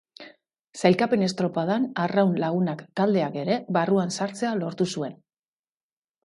Sailkapen estropadan Arraun Lagunak taldeak ere barruan sartzea lortu zuen.